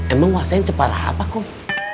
emang wasain separah apa kum